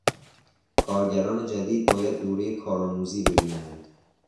کارگران جدید باید دورهٔ کار آموزی ببینند.